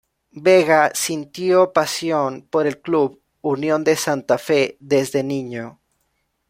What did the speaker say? Vega sintió pasión por el club Unión de Santa Fe desde niño.